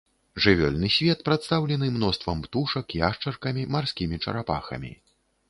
Жывёльны свет прадстаўлены мноствам птушак, яшчаркамі, марскімі чарапахамі.